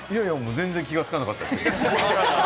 全然気が付かなかったですよ。